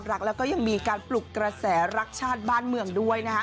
รักแล้วก็ยังมีการปลุกกระแสรักชาติบ้านเมืองด้วยนะคะ